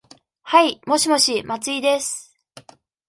はい、もしもし、松井です。